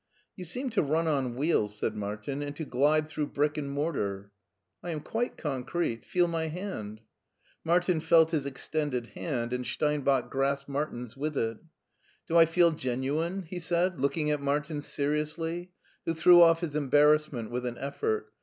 " You seem to run on wheels," said Martin, " and to glide through brick and mortar." " I am quite concrete. Feel my hand." Martin felt his extended hand, and Steinbach it LEIPSIC 109 grasped Martin's with it. " Do I feel genuine ?*' he said, looking at Martin seriously, who threw off his embarrassment with an effort.